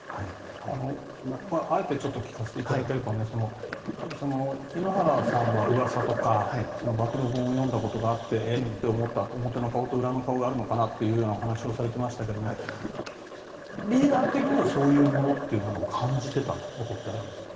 あえてちょっと聞かせていただければ井ノ原さんはうわさとか暴露本とか読んだことがあってえって思った表の顔と裏の顔があるのかなというお話をされていましたがリーダー的にはそういうものは感じていたことはあるんですか？